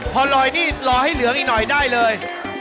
พอลอยนี่รอให้เหลืองอีกหน่อยได้เลย